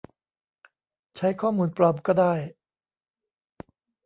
ใช้ข้อมูลปลอมก็ได้